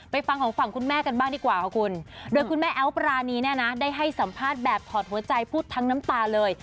ฟังของฝั่งคุณแม่กันบ้างดีกว่าค่ะคุณโดยคุณแม่แอ๊วปรานีเนี่ยนะได้ให้สัมภาษณ์แบบถอดหัวใจพูดทั้งน้ำตาเลย